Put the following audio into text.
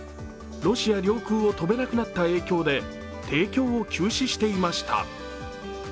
ロシア領空を飛べなくなった影響で提供を休止していました。